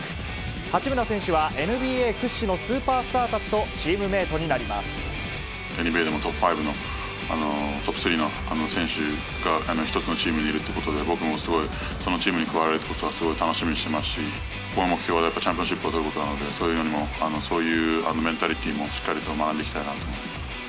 八村選手はＮＢＡ屈指のスーパースターたちとチームメートになりＮＢＡでもトップスリーの選手が１つのチームにいるということで、僕もすごいそのチームに加われたことはすごい楽しみにしてますし、今後の目標はチャンピオンシップを取ることなので、そういうメンタリティーもしっかりと学んでいきたいなと思います。